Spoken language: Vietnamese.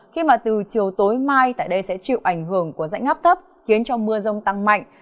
khi mà từ chiều tối mai tại đây sẽ chịu ảnh hưởng của dãy ngắp thấp khiến cho mưa rông tăng mạnh